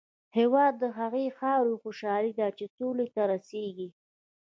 هېواد د هغې خاورې خوشحالي ده چې سولې ته رسېږي.